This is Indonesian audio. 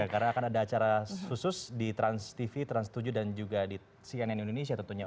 karena akan ada acara khusus di transtv trans tujuh dan juga di cnn indonesia tentunya